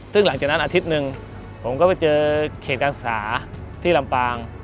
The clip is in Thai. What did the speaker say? ซึ่งหลังจากนั้นอาทิตย์หนึ่งผมก็ไปเจอเขตการศึกษาที่ลำปาง